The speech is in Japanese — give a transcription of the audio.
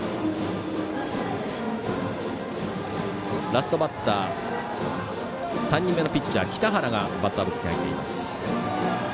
ラストバッター３人目のピッチャー北原がバッターボックスに入っています。